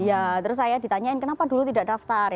iya terus saya ditanyain kenapa dulu tidak daftar